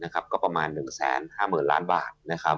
ก็ประมาณ๑๕๐๐๐ล้านบาท